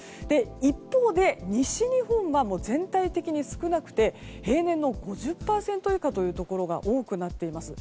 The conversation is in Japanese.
一方で西日本は全体的に少なくて平年の５０％以下というところが多くなっています。